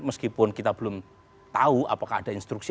meskipun kita belum tahu apakah ada instruksi